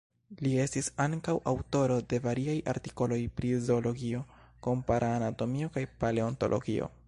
Li estis ankaŭ aŭtoro de variaj artikoloj pri zoologio, kompara anatomio kaj paleontologio.